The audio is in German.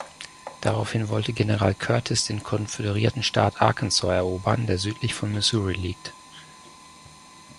Daraufhin wollte General Curtis den konföderierten Staat Arkansas erobern, der südlich von Missouri liegt.